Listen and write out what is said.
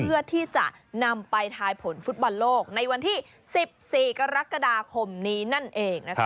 เพื่อที่จะนำไปทายผลฟุตบอลโลกในวันที่๑๔กรกฎาคมนี้นั่นเองนะคะ